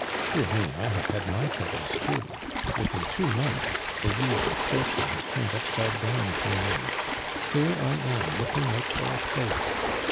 Dear me, I have had my troubles too. Within two months the wheel of Fortune has turned upside down for me. Here I am looking out for a place!